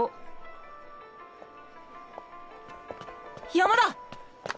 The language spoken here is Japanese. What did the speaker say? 山田。